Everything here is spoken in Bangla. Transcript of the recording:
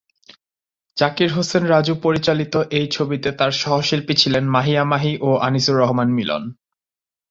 জাকির হোসেন রাজু পরিচালিত এই ছবিতে তার সহশিল্পী ছিলেন মাহিয়া মাহি ও আনিসুর রহমান মিলন।